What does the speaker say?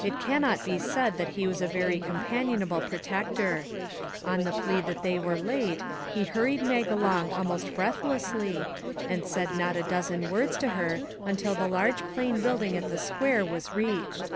It can not be said that he was a very com panionable protector. On the plea that they were late, he hurried Mag along almost breath lessly, and said not a dozen words to her until the large, plain building at the Square was reached.